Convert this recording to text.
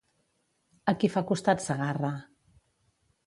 A qui fa costat Segarra?